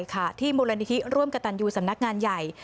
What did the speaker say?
ต้องอยู่ที่บางพลีหรือซัมนาคงานใหญ่